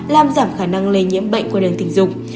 làm giảm khả năng lây nhiễm bệnh qua đường tình dục